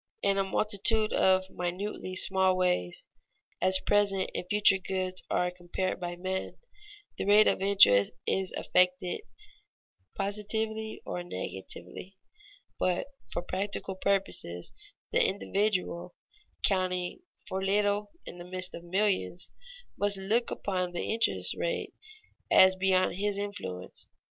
In a multitude of minutely small ways, as present and future goods are compared by men, the rate of interest is affected positively or negatively. But for practical purposes the individual, counting for little in the midst of millions, must look upon the interest rate as beyond his influence.